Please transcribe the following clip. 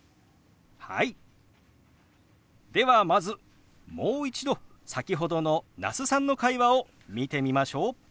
ではまずもう一度先ほどの那須さんの会話を見てみましょう。